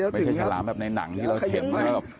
ไม่ใช่ฉลามแบบในหนังที่เราเห็นมาก